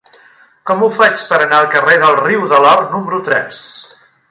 Com ho faig per anar al carrer del Riu de l'Or número tres?